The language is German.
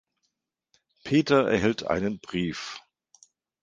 Peter erhält einen Brief.